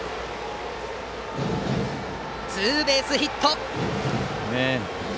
ツーベースヒット！